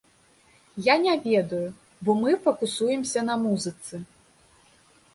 Я не ведаю, бо мы факусуемся на музыцы.